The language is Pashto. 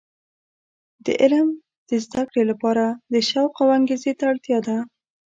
د علم د زده کړې لپاره د شوق او انګیزې ته اړتیا ده.